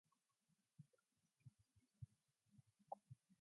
Her father worked on an ammonia recovery plant at Imperial Chemical Industries.